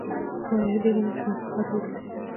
زما یادېږي نه، چې ما بهار لیدلی